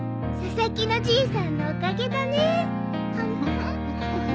佐々木のじいさんのおかげだね。